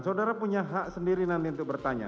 saudara punya hak sendiri nanti untuk bertanya